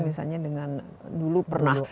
misalnya dengan dulu pernah